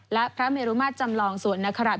และพระเมรุมาตรจำลองสวนนคราช